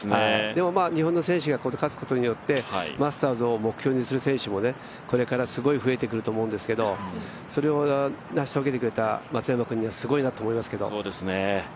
でも、日本の選手が勝つことによってマスターズを目標にする選手もこれからすごい増えてくると思うんですけどそれを成し遂げてくれた松山君はすごいなと思いますけど。